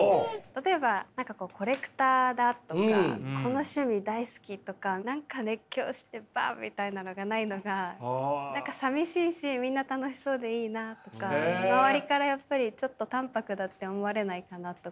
例えば何かこうコレクターだとかこの趣味大好きとか何か熱狂してバッみたいなのがないのが何かさみしいしみんな楽しそうでいいなとか周りからやっぱりちょっと淡泊だって思われないかなとか。